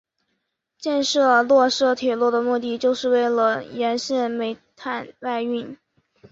建设洛茂铁路的目的是为了沿线煤炭外运。